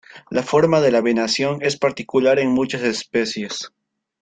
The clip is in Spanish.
La forma de la venación es particular en muchas especies.